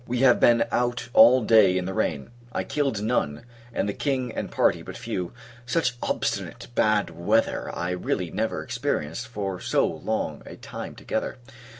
We have been out all day in the rain; I killed none, and the King and party but few. Such obstinate bad weather I really never experienced, for so long a time together.